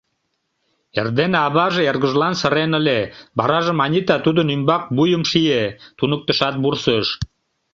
Эрдене аваже эргыжлан сырен ыле, варажым Анита тудын ӱмбак вуйым шие, туныктышат вурсыш